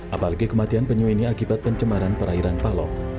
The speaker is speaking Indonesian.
apalagi kematian penyu ini akibat pencemaran perairan paloh